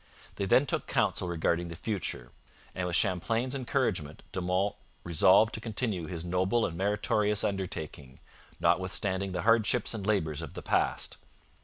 They then took counsel regarding the future, and with Champlain's encouragement De Monts 'resolved to continue his noble and meritorious undertaking, notwithstanding the hardships and labours of the past.'